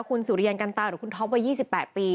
คุณสุริยันกันตาหรือคุณท็อปวัย๒๘ปี